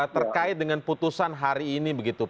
terkait dengan putusan hari ini begitu